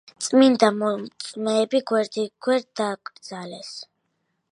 წმინდა მოწამეები გვერდიგვერდ დაკრძალეს.